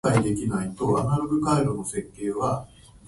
しらん